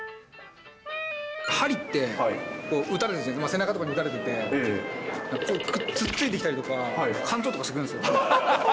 はりって打たれるとき、背中とかに打たれてて、突っついてきたりとか、かんちょうとかしてくるんですよ。